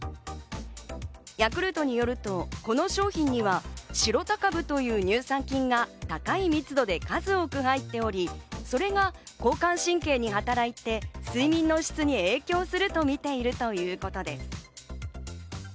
ヤクルトによると、この商品にはシロタ株という乳酸菌が高い密度で数多く入っており、それが交感神経に働いて睡眠の質に影響するとみているということです。